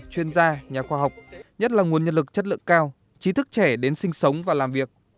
chuyên gia nhà khoa học nhất là nguồn nhân lực chất lượng cao trí thức trẻ đến sinh sống và làm việc